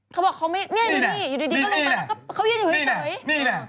เขาบอกเขาไม่นี่นี่นี่อยู่ดีก็ลุมมาแล้วเขายืนอยู่ให้เฉย